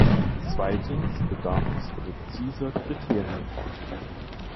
Zweitens bedarf es präziser Kriterien.